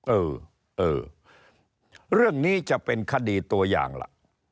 เออเออเรื่องนี้จะเป็นคดีตัวอย่างล่ะ